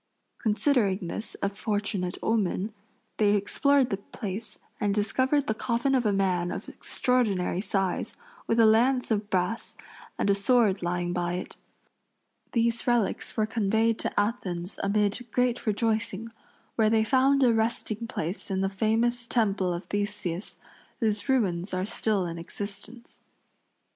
Considering this a fortunate omen, they explored the place and discovered the coffin of a man of extraordinary size, with a lance of brass and a sword lying by it. These relics were conveyed to Athens amid great rejoicing, where they found a resting place in the famous temple of Theseus, whose ruins are still in existence.